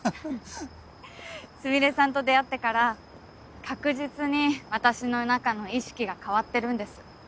スミレさんと出会ってから確実に私の中の意識が変わってるんです。